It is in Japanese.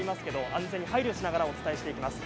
安全に配慮しながらお伝えしていきます。